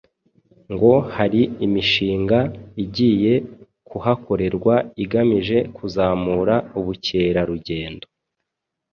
ngo hari imishinga igiye kuhakorerwa igamije kuzamura ubukerarugendo